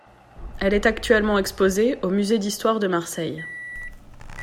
Elle est actuellement exposée au musée d'histoire de Marseille.